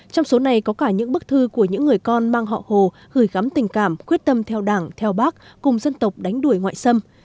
trong số này có cả những bức thư của những người con mang họ hồ gửi gắm tình cảm quyết tâm theo đảng theo bác cùng dân tộc đánh đuổi ngoại xâm